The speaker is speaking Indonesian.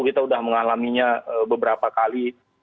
kita sudah mengalaminya beberapa kali